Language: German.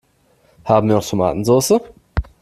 Haben wir noch Tomatensoße?